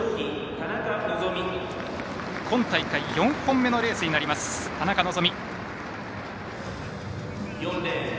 今大会４本目のレースになります、田中希実。